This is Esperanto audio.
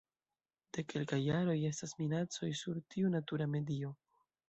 De kelkaj jaroj estas minacoj sur tiu natura medio.